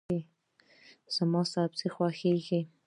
زما سبزي خوښیږي.